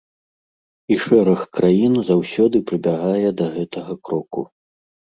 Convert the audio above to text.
І шэраг краін заўсёды прыбягае да гэтага кроку.